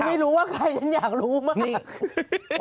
คุณไม่รู้ว่าใครฉันอยากรู้มาก